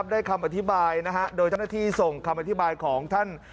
ได้คำอธิบายโดยเจ้าหน้าที่ส่งคำอธิบายของท่าน